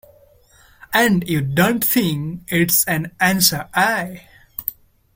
And you don't think it's an answer, eh?